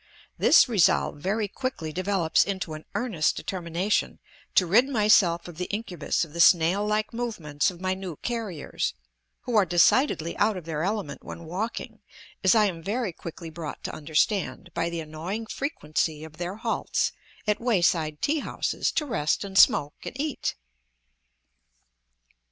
This resolve very quickly develops into an earnest determination to rid myself of the incubus of the snail like movements of my new carriers, who are decidedly out of their element when walking, as I am very quickly brought to understand by the annoying frequency of their halts at way side tea houses to rest and smoke and eat.